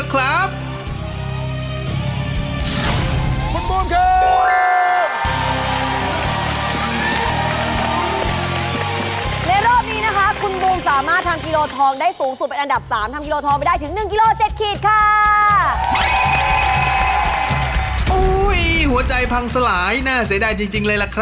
ขอให้ทุกท่านโชคดี